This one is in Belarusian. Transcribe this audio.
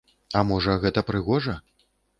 А можа, гэта прыгожа?